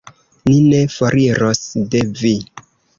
Ni ne foriros de Vi.